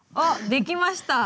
できました。